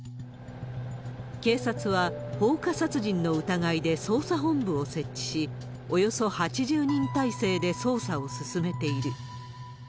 警察は、放火殺人の疑いで捜査本部を設置し、およそ８０人体制で捜査を進めている。